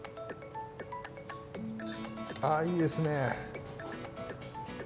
あいいですね。